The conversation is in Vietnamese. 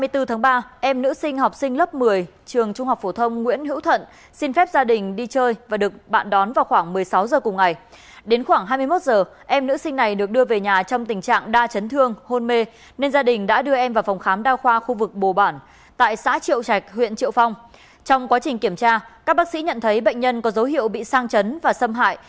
trong quá trình kiểm tra các bác sĩ nhận thấy bệnh nhân có dấu hiệu bị sang chấn và xâm hại